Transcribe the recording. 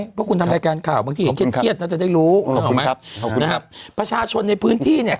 เพราะคุณทำรายการข่าวบางทีเห็นเทียดน่าจะได้รู้พระชาชนในพื้นที่เนี่ย